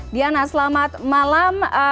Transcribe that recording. diana selamat malam